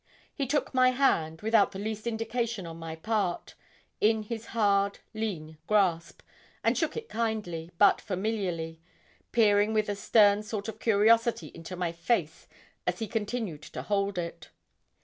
He took my hand, without the least indication on my part, in his hard lean grasp, and shook it kindly, but familiarly, peering with a stern sort of curiosity into my face as he continued to hold it.